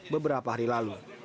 beberapa hari lalu